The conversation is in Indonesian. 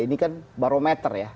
ini kan barometer ya